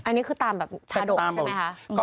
อันนี้คือตามแบบชาดกใช่ไหมคะ